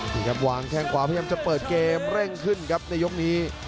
นี่ครับวางแข้งขวาพยายามจะเปิดเกมเร่งขึ้นครับในยกนี้